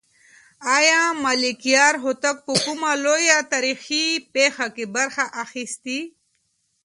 آیا ملکیار هوتک په کومه لویه تاریخي پېښه کې برخه اخیستې؟